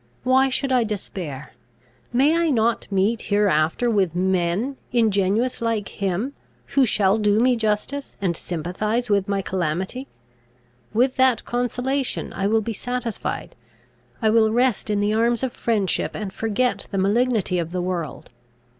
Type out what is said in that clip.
Why should I despair? May I not meet hereafter with men ingenuous like him, who shall do me justice, and sympathise with my calamity? With that consolation I will be satisfied. I will rest in the arms of friendship, and forget the malignity of the world.